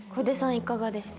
いかがでした？